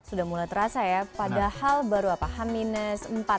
sudah mulai terasa ya padahal baru apa h empat